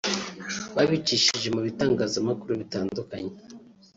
babicishije mu bitangazamakuru bitandukanye